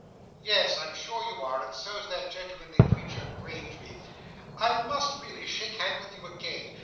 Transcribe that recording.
"Yes, I'm sure you are; and so's that gentlemanly creature Grangeby. I must really shake hands with you again.